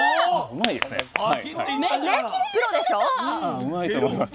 あうまいと思います